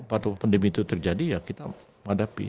waktu pandemi itu terjadi ya kita menghadapi